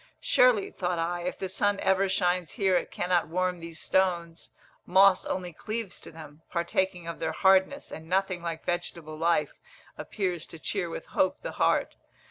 Surely, thought I, if the sun ever shines here it cannot warm these stones; moss only cleaves to them, partaking of their hardness, and nothing like vegetable life appears to cheer with hope the heart.